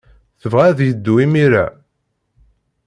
Tebɣa ad yeddu imir-a.